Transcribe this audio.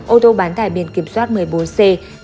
ô tô bán tải biển kiểm soát một mươi bốn c